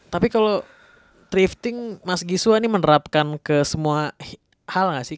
tapi kalau thrifting mas giswa ini menerapkan ke semua hal gak sih